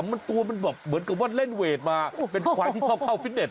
มันตัวมันแบบเหมือนกับว่าเล่นเวทมาเป็นควายที่ชอบเข้าฟิตเต็